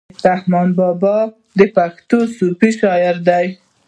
رحمان بابا د پښتو صوفي شاعر دی.